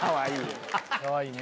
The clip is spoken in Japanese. かわいいね。